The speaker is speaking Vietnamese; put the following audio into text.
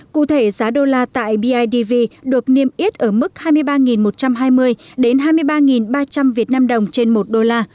cụ thể giá đô la tại bidv được niêm yết ở mức hai mươi ba một trăm hai mươi đến hai mươi ba ba trăm linh vnđ trên một đô la